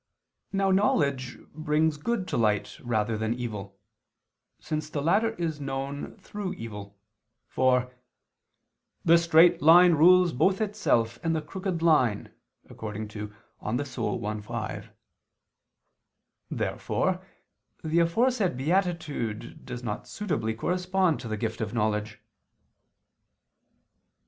Now knowledge brings good to light rather than evil, since the latter is known through evil: for "the straight line rules both itself and the crooked line" (De Anima i, 5). Therefore the aforesaid beatitude does not suitably correspond to the gift of knowledge.